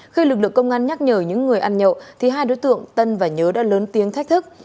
khi lực lượng công an nhắc nhở những người ăn nhậu thì hai đối tượng tân và nhớ đã lớn tiếng thách thức